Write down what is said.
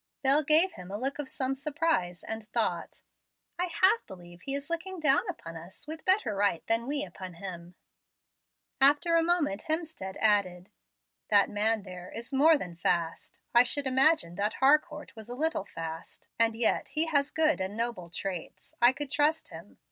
Bel gave him a look of some surprise, and thought, "I half believe he is looking down upon us with better right than we upon him." After a moment Hemstead added, "That man there is more than fast. I should imagine that Harcourt was a little fast, and yet he has good and noble traits. I could trust him.